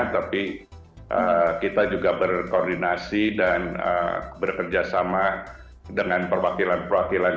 tapi kita juga berkoordinasi dan bekerjasama dengan perwakilan perwakilan